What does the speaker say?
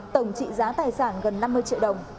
tổng trị giá tài sản gần năm mươi triệu đồng